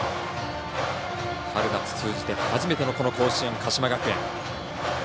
春夏通じて初めての甲子園鹿島学園。